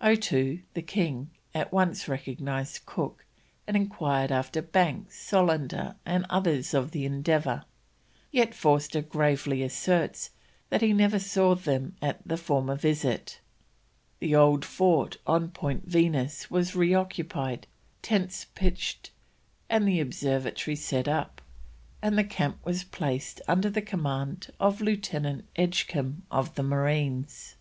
Otoo, the king, at once recognised Cook, and enquired after Banks, Solander, and others of the Endeavour; yet Forster gravely asserts that he never saw them at the former visit. The old fort on Point Venus was reoccupied, tents pitched, and the observatory set up, and the camp was placed under the command of Lieutenant Edgecombe of the Marines.